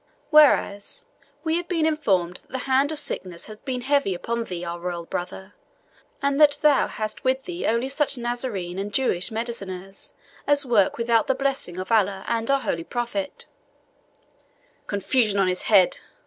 Whereas, we have been informed that the hand of sickness hath been heavy upon thee, our royal brother, and that thou hast with thee only such Nazarene and Jewish mediciners as work without the blessing of Allah and our holy Prophet ["Confusion on his head!"